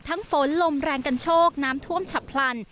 ฝนลมแรงกันโชคน้ำท่วมฉับพลัน